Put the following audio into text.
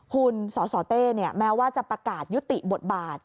คุณสสเต้แม้ว่าจะประกาศยุติบทบาท